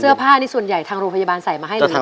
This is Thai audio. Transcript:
เสื้อผ้านี่ส่วนใหญ่ทางโรพยาบาลใส่มาให้เลยตัวเป็นเอง